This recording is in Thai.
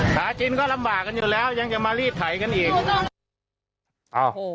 ฐาจินก็ลำว่ากันอยู่แล้วยังจะมารีดไขกันอีกอ้าว